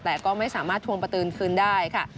แต่ก็ไม่สามารถทวงประตูคืนได้ค่ะ